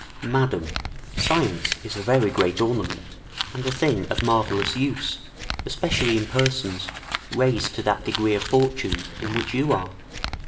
Madam, science is a very great ornament, and a thing of marvellous use, especially in persons raised to that degree of fortune in which you are.